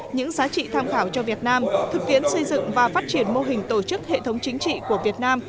những giá trị tham khảo cho việt nam thực tiễn xây dựng và phát triển mô hình tổ chức hệ thống chính trị của việt nam